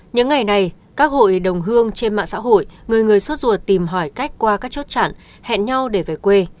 những ngày này các hội đồng hương trên mạng xã hội người người xuất ruột tìm hỏi cách qua các chốt chặn hẹn nhau để về quê